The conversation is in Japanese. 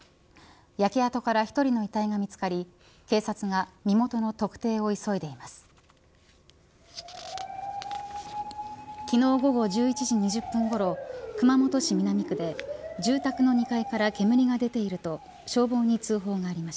焼け跡から１人の遺体が見つかり警察が身元の特定を急いでいます。